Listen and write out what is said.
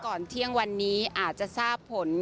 ก่อนเที่ยงวันนี้อาจจะทราบผล